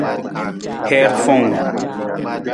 Hiir fowung.